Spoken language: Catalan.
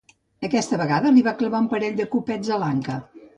Aquesta vegada li va clavar un parell de copets a l'anca.